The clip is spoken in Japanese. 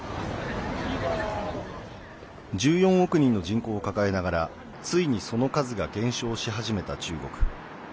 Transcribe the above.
１４億人の人口を抱えながらついにその数が減少し始めた中国。